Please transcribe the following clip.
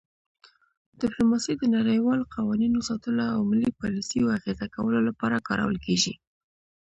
ډیپلوماسي د نړیوالو قوانینو ساتلو او ملي پالیسیو اغیزه کولو لپاره کارول کیږي